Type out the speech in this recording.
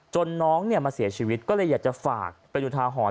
จนน้องเนี่ยมาเสียชีวิตก็เลยอยากจะฝากไปอยู่ท้าหอน